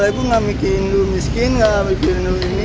seribu dua ribu enggak bikin lu miskin enggak bikin lu ini